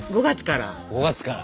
５月から？